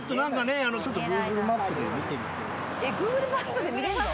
えっＧｏｏｇｌｅマップで見れんの？